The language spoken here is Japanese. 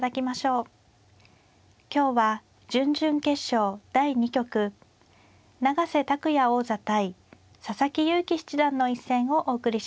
今日は準々決勝第２局永瀬拓矢王座対佐々木勇気七段の一戦をお送りします。